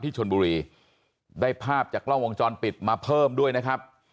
ชนบุรีได้ภาพจากกล้องวงจรปิดมาเพิ่มด้วยนะครับ